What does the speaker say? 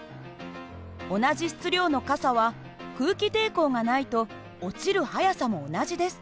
同じ質量の傘は空気抵抗がないと落ちる速さも同じです。